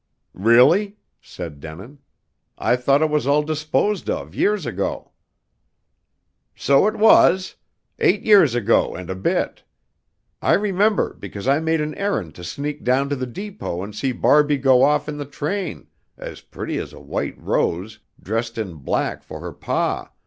"Really?" said Denin. "I thought it was all disposed of years ago." "So it was. Eight years ago and a bit. I remember because I made an errand to sneak down to the depot and see Barbie go off in the train, as pretty as a white rose, dressed in black for her pa.